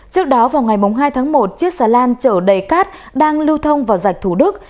trước đó vào ngày hai tháng một chiếc xà lan chở đầy cát đang lưu thông vào rạch thủ đức